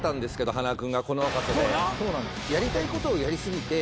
塙君がこの若さで。